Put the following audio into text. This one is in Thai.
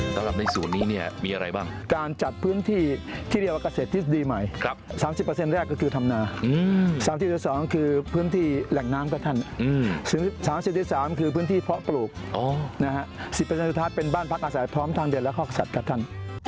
สำหรับในศูนย์นี้เนี่ยมีอะไรบ้างการจัดพื้นที่ที่เรียกว่าเกษตรทฤษฎีใหม่๓๐แรกก็คือธรรมนา๓๐๒คือพื้นที่แหล่งน้ำครับท่าน๓๐๓คือพื้นที่เพาะปลูกนะฮะ๑๐สุดท้ายเป็นบ้านพักอาศัยพร้อมทางเดินและฮอกสัตว์ครับท่าน